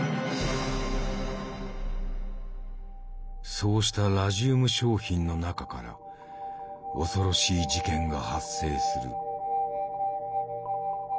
そうしたラジウム商品の中から恐ろしい事件が発生する。